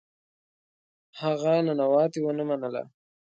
هغه ننواتې ونه منله.